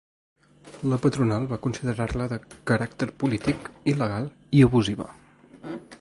La patronal va considerar-la de “caràcter polític”, “il·legal” i “abusiva”.